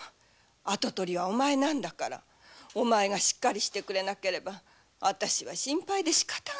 跡取りはお前なんだからしっかりしてくれなければ私は心配でしかたがないよ。